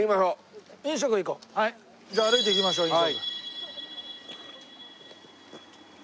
じゃあ歩いて行きましょう飲食。